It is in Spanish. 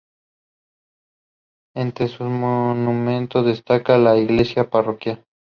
Entre sus monumentos, destaca la iglesia parroquial.